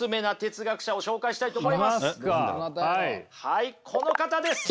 はいこの方です！